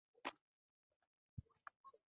د بازار څېړنه د پلان لومړی ګام دی.